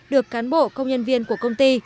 được cán bộ công nhân viên của công ty